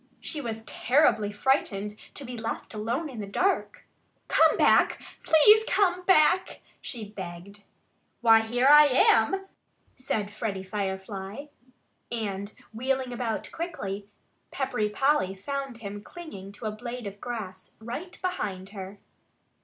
She was terribly frightened to be left alone in the dark. "Come back please come back!" she begged. "Why, here I am!" said Freddie Firefly. And wheeling about quickly, Peppery Polly found him clinging to a blade of grass right behind her.